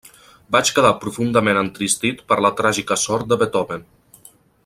Vaig quedar profundament entristit per la tràgica sort de Beethoven.